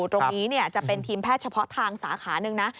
ตรงนี้จะเป็นทีมแพทย์เฉพาะทางสาขาหนึ่งนะ